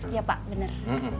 iya pak bener